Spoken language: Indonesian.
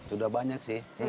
sudah banyak sih